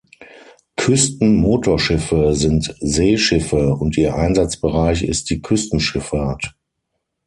Küstenmotorschiffe sind Seeschiffe und ihr Einsatzbereich ist die Küstenschifffahrt.